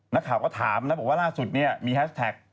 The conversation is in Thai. นักข่าวก็ถามว่าร่าสุดมีแฮชแท็ก